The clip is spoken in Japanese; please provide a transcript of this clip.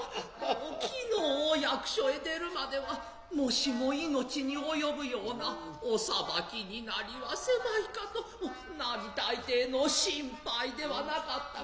昨日お役所へ出るまではもしも命に及ぶようなおさばきになりはせまいかと並大抵の心配ではなかったがな